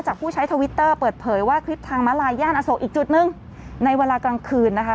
ผู้ใช้ทวิตเตอร์เปิดเผยว่าคลิปทางมาลายย่านอโศกอีกจุดหนึ่งในเวลากลางคืนนะคะ